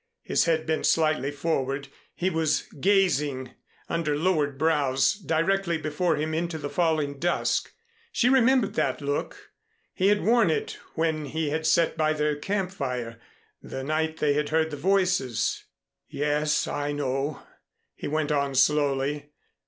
His head bent slightly forward, he was gazing, under lowered brows directly before him into the falling dusk. She remembered that look. He had worn it when he had sat by their camp fire the night they had heard the voices. "Yes, I know," he went on slowly.